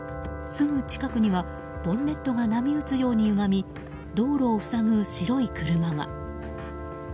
すぐ近くにはボンネットが波打つようにゆがみ道路を塞ぐ白い車が。